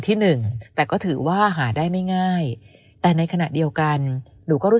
ที่หนึ่งแต่ก็ถือว่าหาได้ไม่ง่ายแต่ในขณะเดียวกันหนูก็รู้